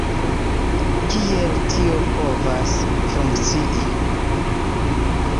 Kiel tio povas funkcii??